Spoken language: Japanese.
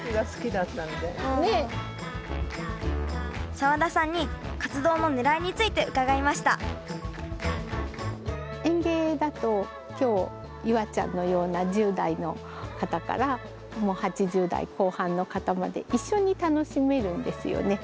澤田さんに活動のねらいについて伺いました園芸だと今日夕空ちゃんのような１０代の方からもう８０代後半の方まで一緒に楽しめるんですよね。